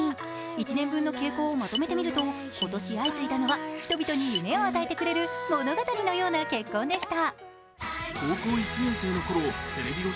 １年分の傾向をまとめてみると今年相次いだのは人々に夢を与えてくれる物語のような結婚でした。